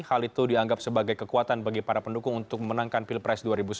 hal itu dianggap sebagai kekuatan bagi para pendukung untuk memenangkan pilpres dua ribu sembilan belas